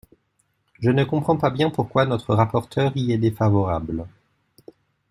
Je ne comprends pas bien pourquoi notre rapporteure y est défavorable.